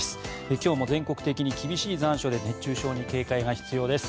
今日も全国的に厳しい残暑で熱中症に警戒が必要です。